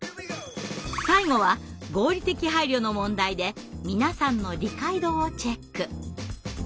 最後は合理的配慮の問題で皆さんの理解度をチェック。